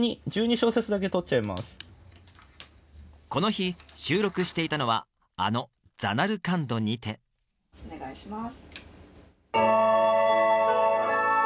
この日収録していたのはあの「ザナルカンドにて」お願いします